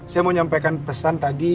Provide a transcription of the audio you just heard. saya mau nyampaikan pesan tadi